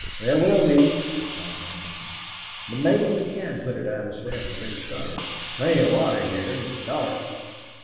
"There will be," replied Anderson. "But mebbe we can put it out as fast as they start it. Plenty of water here. An' it's dark.